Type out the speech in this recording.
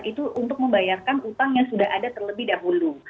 itu untuk membayarkan utang yang sudah ada terlebih dahulu